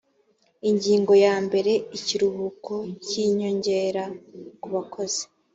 ingingo yambere ikiruhuko cy inyongera kubakozi